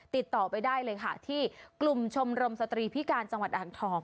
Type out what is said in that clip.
ติดต่อไปได้เลยค่ะที่กลุ่มชมรมสตรีพิการจังหวัดอ่างทอง